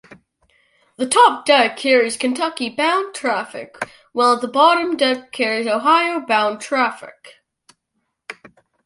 The top deck carries Kentucky-bound traffic while the bottom deck carries Ohio-bound traffic.